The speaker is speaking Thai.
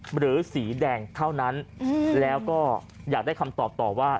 หรือสีแดงเท่านั้นแล้วก็อยากได้คำตอบต่อว่า